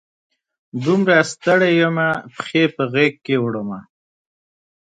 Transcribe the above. دومره ستړي یمه، پښې په غیږ کې وړمه